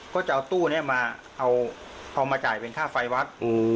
ก็จะเอาตู้นี้มาเอามาจ่ายเป็นค่าไฟวัด